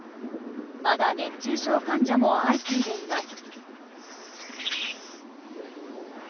まだ熱中症患者も相次いでいます。